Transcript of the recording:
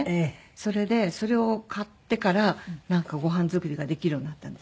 それでそれを買ってからなんかご飯作りができるようになったんですよ。